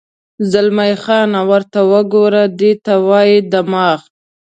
زلمی خان: ورته وګوره، دې ته وایي دماغ.